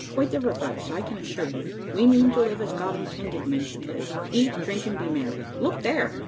Quite the reverse, I can assure you. We mean to live as God intended men should live eat, drink, and be merry. Look there!"